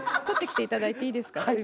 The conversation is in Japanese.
取ってきていただいていいですか。